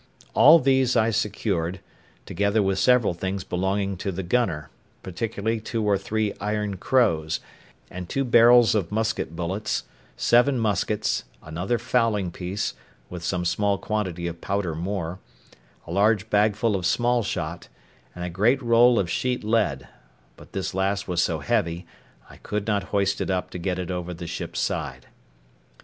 All these I secured, together with several things belonging to the gunner, particularly two or three iron crows, and two barrels of musket bullets, seven muskets, another fowling piece, with some small quantity of powder more; a large bagful of small shot, and a great roll of sheet lead; but this last was so heavy, I could not hoist it up to get it over the ship's side.